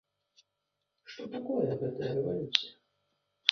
Што такое гэтая рэвалюцыя?